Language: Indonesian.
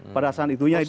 pada saat itunya itu